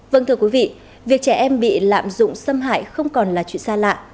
vâng thưa quý vị việc trẻ em bị lạm dụng xâm hại không còn là chuyện xa lạ